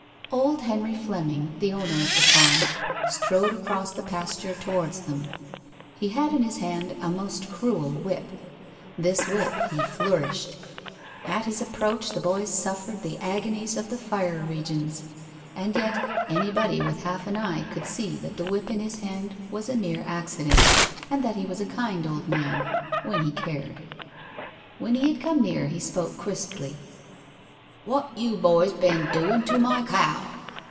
Old Henry Fleming, the owner of the farm, strode across the pasture towards them. He had in his hand a most cruel whip. This whip he flourished. At his approach the boys suffered the agonies of the fire regions. And yet anybody with half an eye could see that the whip in his hand was a mere accident, and that he was a kind old man when he cared. When he had come near he spoke crisply. "What you boys ben doin' to my cow?"